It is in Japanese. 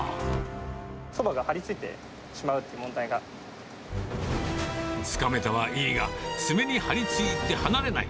そばが張り付いてしまうといつかめたはいいが、爪に張り付いて離れない。